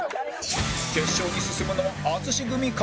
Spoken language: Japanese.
決勝に進むのは淳組か？